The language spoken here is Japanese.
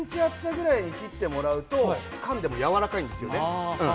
大体１ｃｍ厚さくらいに切っていただくとかんでもやわらかいんですよね。